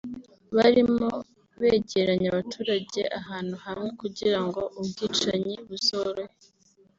barimo begeranya abaturage ahantu hamwe kugira ngo ubwicanyi buzorohe